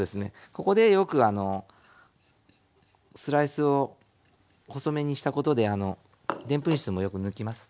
ここでよくスライスを細めにしたことででんぷん質もよく抜きます。